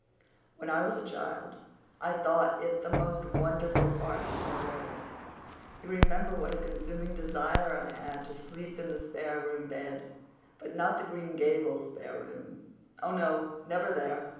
When I was a child I thought it the most wonderful apartment in the world. You remember what a consuming desire I had to sleep in a spare room bed—but not the Green Gables spare room. Oh, no, never there!